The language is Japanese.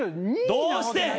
どうして！？